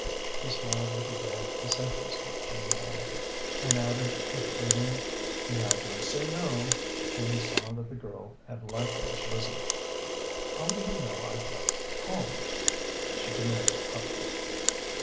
He smiled with a vague, disinterested geniality, and added a pleading "Now don't say no!" when he saw that the girl had likewise risen. "How do you know I've left home?" she demanded hotly.